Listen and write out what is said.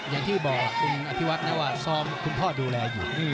อย่างที่บอกคะอธิวัตเจย์สอนคุมพ่อดูแล